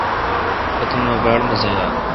اتوما باڑ مزہ یال۔